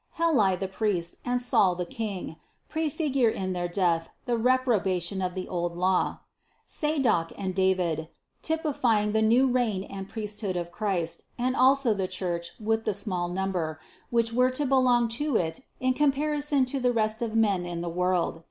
Heli, the priest, and Saul, the king, prefigure in their death the reprobation of the old law. Sadoc and David, typify the new reign and priesthood of Christ and also the Church with the small number, which were to belong to it in comparison to the rest of men in the world.